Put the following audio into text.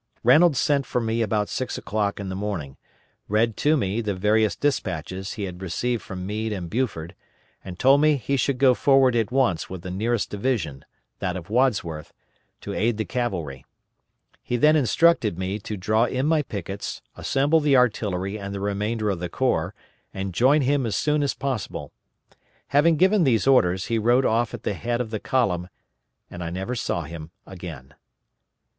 Reynolds sent for me about six o'clock in the morning, read to me the various despatches he had received from Meade and Buford, and told me he should go forward at once with the nearest division that of Wadsworth to aid the cavalry. He then instructed me to draw in my pickets, assemble the artillery and the remainder of the corps, and join him as soon as possible. Having given these orders, he rode off at the head of the column, and I never saw him again.